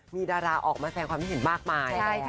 มีดาราออกมาแสงความคิดเห็นมากมาย